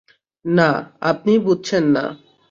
না, আপনি বুঝছেন না!